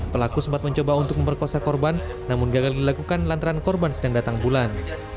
pelaku sempat mencoba untuk memperkosa korban namun gagal dilakukan lantaran korban sedang datang bulan